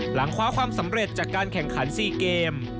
หลังคว้าความสำเร็จจากการแข่งขัน๔เกม